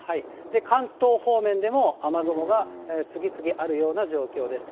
関東方面でも雨雲が次々あるような状況です。